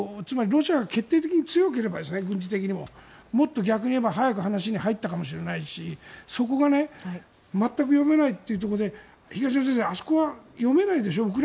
つまりロシアが決定的に強ければ軍事的にももっと逆に言えば早く話に入ったかもしれないしそこが全く読めないというところで東野先生あそこは読めないでしょ？